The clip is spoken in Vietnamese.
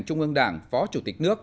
trung ương đảng phó chủ tịch nước